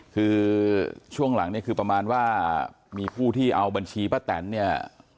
คือช่วงหลังเนี่ยคือประมาณว่ามีผู้ที่เอาบัญชีป้าแตนเนี่ย